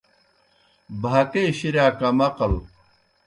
بھاکے شِرِیا کم عقل